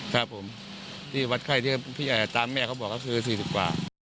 ครับผมที่วัดไข้ที่ตามแม่เขาบอกก็คือ๔๐กว่า